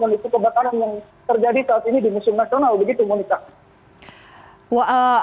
untuk kebakaran yang terjadi saat ini di musim nasional begitu monica